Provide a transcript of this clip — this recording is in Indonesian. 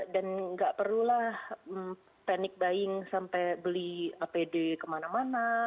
dan tidak perlulah panic buying sampai beli apd kemana mana